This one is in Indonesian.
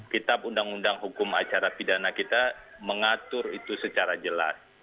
kitab undang undang hukum acara pidana kita mengatur itu secara jelas